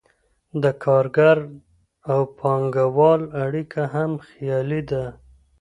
د کارګر او پانګهوال اړیکه هم خیالي ده.